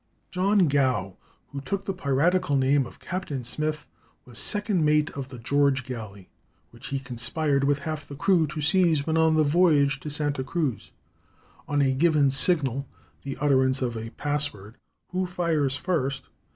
John Gow, who took the piratical name of Captain Smith, was second mate of the George galley, which he conspired with half the crew to seize when on the voyage to Santa Cruz. On a given signal, the utterance of a password, "Who fires first?"